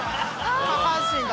下半身が。